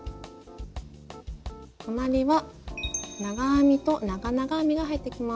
隣は長編みと長々編みが入ってきます。